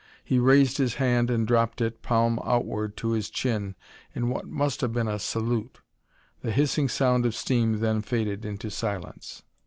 He raised his hand and dropped it, palm outward, to his chin in what must have been a salute. The hissing sound of steam then faded into silence.